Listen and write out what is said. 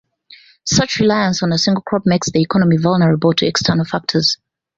Such reliance on a single crop makes the economy vulnerable to external factors.